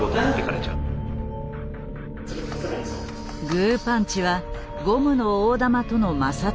グーパンチはゴムの大玉との摩擦が大きい。